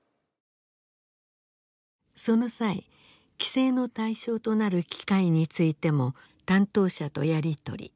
その際規制の対象となる機械についても担当者とやり取り。